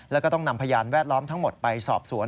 แล้วก็ต้องนำพยานแวดล้อมทั้งหมดไปสอบสวน